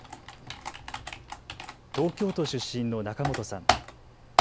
東京都出身の仲本さん。